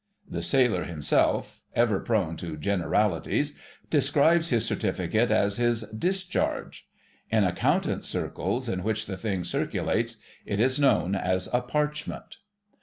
The sailor himself, ever prone to generalities, describes his Certificate as his "Discharge." In Accountant circles in which the thing circulates it is known as a "Parchment."